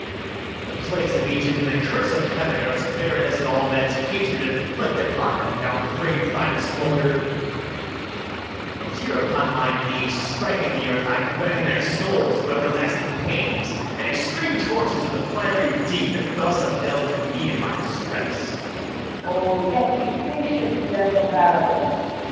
The plagues of Egypt, and the curse of heaven, Earth's barrenness, and all men's hatred, Inflict upon them, thou great Primus Motor! And here upon my knees, striking the earth, I ban their souls to everlasting pains, And extreme tortures of the fiery deep, That thus have dealt with me in my distress! FIRST JEW. O, yet be patient, gentle Barabas! BARABAS.